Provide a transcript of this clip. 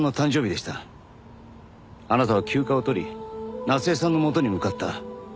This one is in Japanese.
あなたは休暇を取り夏恵さんのもとに向かった。